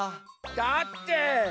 だって。